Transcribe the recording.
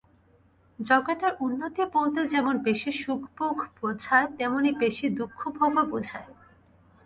জগতের উন্নতি বলতে যেমন বেশী সুখভোগ বুঝায়, তেমনি বেশী দুঃখভোগও বুঝায়।